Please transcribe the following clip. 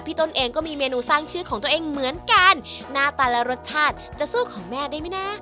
ต้นเองก็มีเมนูสร้างชื่อของตัวเองเหมือนกันหน้าตาและรสชาติจะสู้ของแม่ได้ไหมนะ